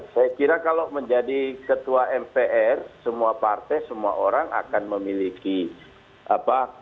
saya kira kalau menjadi ketua mpr semua partai semua orang akan memiliki apa